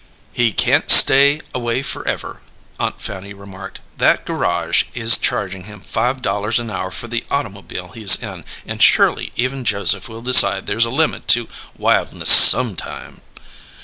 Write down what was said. "He can't stay away forever," Aunt Fanny remarked. "That garage is charging him five dollars an hour for the automobile he's in, and surely even Joseph will decide there's a limit to wildness some time!"